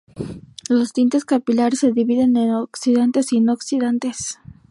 Los tintes capilares se dividen en oxidantes y no oxidantes.